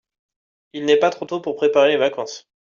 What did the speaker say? il n'est pas trop tôt pour préparer les vacances.